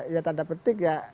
ya tanda petik ya